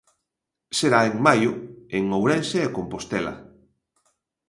Será en maio, en Ourense e Compostela.